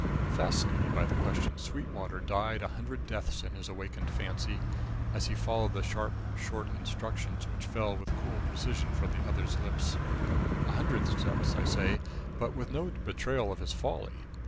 Fascinated by the question, Sweetwater died a hundred deaths in his awakened fancy, as he followed the sharp short instructions which fell with cool precision from the other's lips. A hundred deaths, I say, but with no betrayal of his folly.